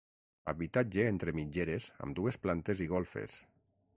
Habitatge entre mitgeres amb dues plantes i golfes.